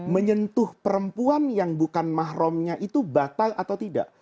menyentuh perempuan yang bukan mahrumnya itu batal atau tidak